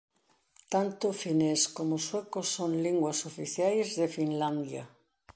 Tanto o finés como o sueco son linguas oficiais de Finlandia.